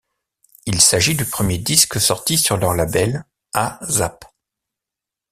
Il s'agit du premier disque sorti sur leur label, A-Zap.